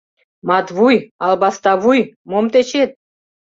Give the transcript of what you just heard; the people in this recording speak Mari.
— Матвуй, албаста вуй, мом тӧчет?